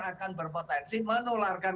akan berpotensi menularkan